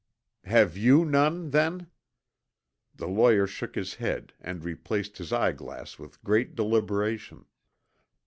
"Have you none, then?" The lawyer shook his head and replaced his eyeglass with great deliberation.